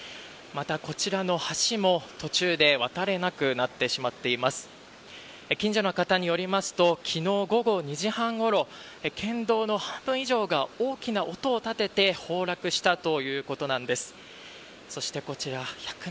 また、こちらの橋も途中で渡れなくなってしまい近所の方によりますと昨日午後２時半ごろ県道の半分以上が大きな音をたてて崩落したということです。